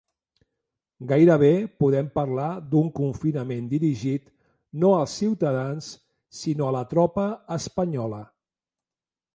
Gairebé podem parlar d'un confinament dirigit, no als ciutadans, sinó a la tropa espanyola.